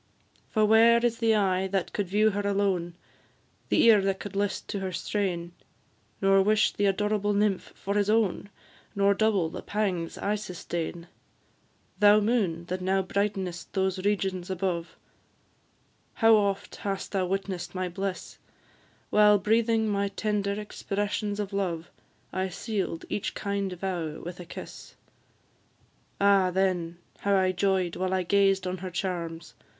For where is the eye that could view her alone, The ear that could list to her strain, Nor wish the adorable nymph for his own, Nor double the pangs I sustain? Thou moon, that now brighten'st those regions above, How oft hast thou witness'd my bliss, While breathing my tender expressions of love, I seal'd each kind vow with a kiss! Ah, then, how I joy'd while I gazed on her charms!